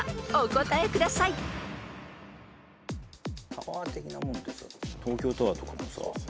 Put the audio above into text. タワー的なもんってさ東京タワーとかもさ。